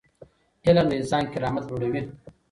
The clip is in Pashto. علم د انسان کرامت لوړوي.